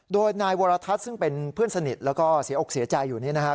โดยนายวรทัศน์ซึ่งเป็นเพื่อนสนิทแล้วก็เสียอกเสียใจอยู่นี่นะครับ